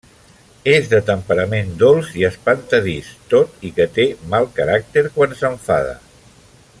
És de temperament dolç i espantadís, tot i que té mal caràcter quan s’enfada.